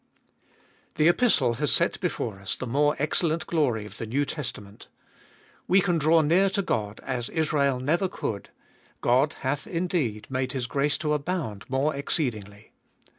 THE Epistle has set before us the more excellent glory of the New Testament. We can draw near to God as Israel never could ; God hath indeed made His grace to abound more exceedingly.